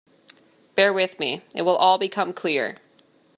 Bear with me; it will all become clear.